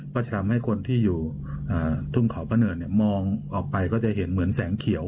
ก็จะทำให้คนที่อยู่ทุ่งเขาพระเนินมองออกไปก็จะเห็นเหมือนแสงเขียว